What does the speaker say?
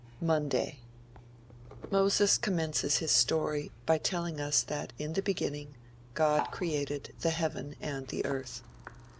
MONDAY Moses commences his story by telling us that in the beginning God created the heaven and the earth.